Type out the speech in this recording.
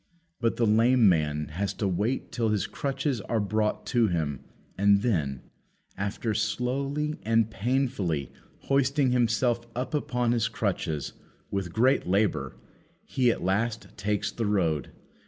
But the lame man has to wait till his crutches are brought to him; and then, after slowly and painfully hoisting himself up upon his crutches, with great labour, he at last takes the road.